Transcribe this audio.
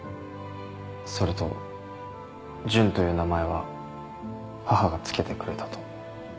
それと純という名前は母が付けてくれたと。